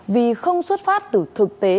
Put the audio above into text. vì không xuất phát từ thực tế